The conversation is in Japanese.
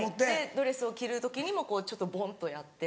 ドレスを着る時にもちょっとボンとやって。